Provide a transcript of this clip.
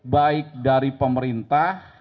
baik dari pemerintah